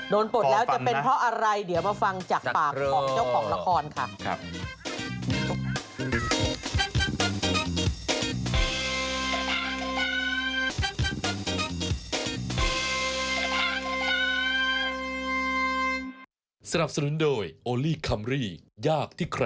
ปลดแล้วจะเป็นเพราะอะไรเดี๋ยวมาฟังจากปากของเจ้าของละครค่ะ